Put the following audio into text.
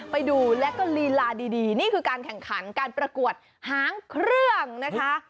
ไปดูแล้วก็ลีลาดีนี่คือการแข่งขันการประกวดหางเครื่องนะคะ